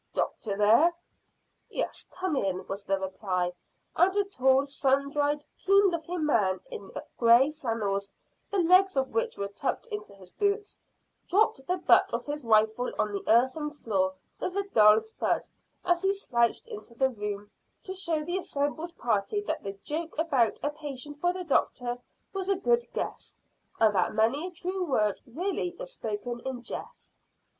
"Doctor there?" "Yes; come in," was the reply, and a tall, sun dried, keen looking man in grey flannels, the legs of which were tucked into his boots, dropped the butt of his rifle on the earthen floor with a dull thud, as he slouched into the room, to show the assembled party that the joke about a patient for the doctor was a good guess, and that many a true word really is spoken in jest.